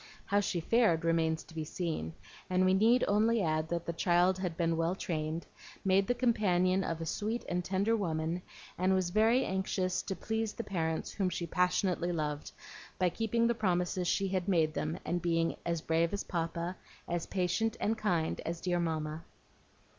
How she fared remains to be seen; and we need only add that the child had been well trained, made the companion of a sweet and tender woman, and was very anxious to please the parents whom she passionately loved, by keeping the promises she had made them, and being "as brave as Papa, as patient and kind as dear Mamma."